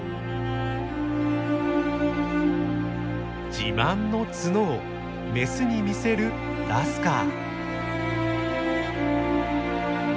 自慢の角をメスに見せるラスカー。